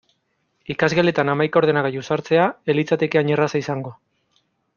Ikasgeletan hamaika ordenagailu sartzea ez litzateke hain erraza izango.